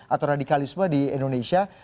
atau radikalisme di indonesia